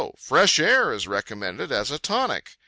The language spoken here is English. fresh air is recommended as a tonic.